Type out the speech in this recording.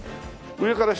上から下？